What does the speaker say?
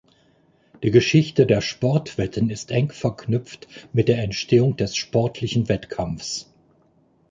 Die Geschichte der Sportwetten ist eng verknüpft mit der Entstehung des sportlichen Wettkampfs.